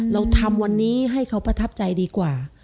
เราทำวันนี้ให้เขาประทับใจดีกว่า